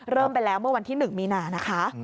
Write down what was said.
เริ่มไปแล้วเมื่อวันที่๑มีนานะคะ